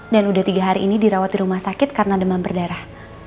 dan udah tiga hari ini dirawat di rumah sakit karena demam berdarah